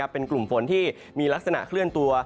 เป็นกลุ่มฝนที่มีลักษณะเคลื่อนตัว